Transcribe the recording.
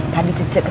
tadi cece ketawa